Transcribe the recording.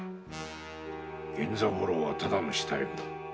源三郎はただの下役だ。